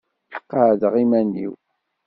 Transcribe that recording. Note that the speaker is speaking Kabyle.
Qeɛdeɣ iman-iw.